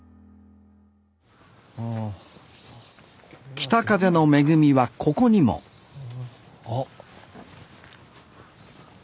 北風の恵みはここにもあっ。